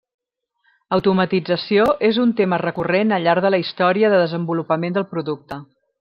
Automatització és un tema recurrent al llarg de la història de desenvolupament del producte.